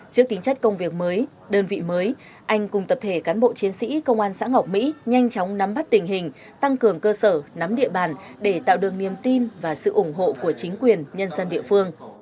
trước tính chất công việc mới đơn vị mới anh cùng tập thể cán bộ chiến sĩ công an xã ngọc mỹ nhanh chóng nắm bắt tình hình tăng cường cơ sở nắm địa bàn để tạo được niềm tin và sự ủng hộ của chính quyền nhân dân địa phương